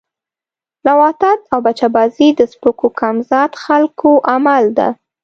لواطت او بچه بازی د سپکو کم ذات خلکو عمل ده